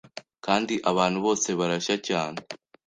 Kandi abantu bose barashya cyane